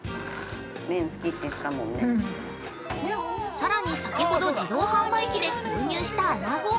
◆さらに先ほど自動販売機で購入した穴子。